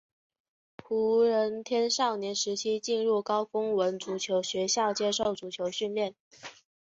胡人天少年时期进入高丰文足球学校接受足球训练。